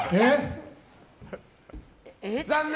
残念。